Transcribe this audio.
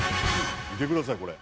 見てくださいこれ。